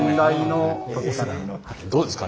どうですか？